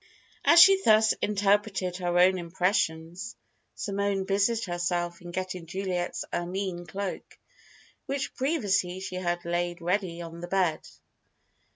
As she thus interpreted her own impressions, Simone busied herself in getting Juliet's ermine cloak, which previously she had laid ready on the bed.